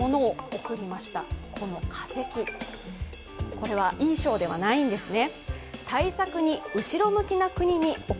これは、いい賞ではないんですね